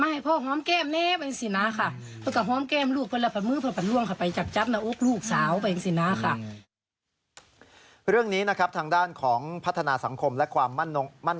ไม่ได้ปลงเรื่องแบบทำลายอาหาร